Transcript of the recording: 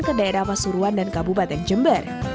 ke daerah pasuruan dan kabupaten jember